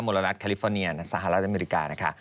ลนัทแคลิฟอร์เนียสหรัฐอเมริกานะคะ